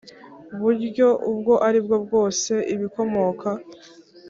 Buryo ubwo ari bwo bwose ibikomoka